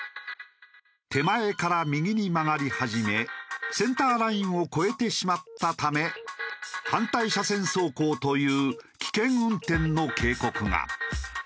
手前から右に曲がり始めセンターラインを越えてしまったため反対車線走行という危険運転の警告が。